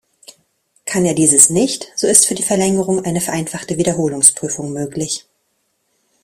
Kann er dieses nicht, so ist für die Verlängerung eine vereinfachte Wiederholungsprüfung möglich.